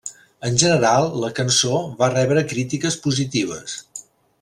En general, la cançó va rebre crítiques positives.